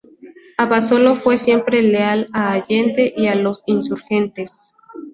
Abasolo fue siempre leal a Allende y a los insurgentes.